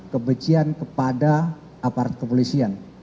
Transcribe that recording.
kebencian kepada aparat kepolisian